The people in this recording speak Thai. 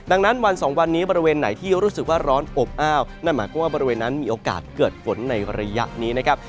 ดังนั้นวันสองวันนี้บริเวณไหนที่รู้สึกว่าร้อนอบอ้าวนั่นหมายความว่าบริเวณนั้นมีโอกาสเกิดฝนในระยะนี้นะครับ